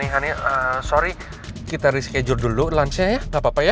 honey sorry kita reschedule dulu lunch nya ya gapapa ya